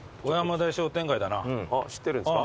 知ってるんすか。